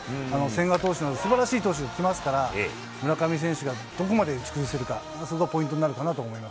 千賀投手の、すばらしい投手来ますから、村上選手がどこまで打ち崩せるか、そこがポイントになるかなと思い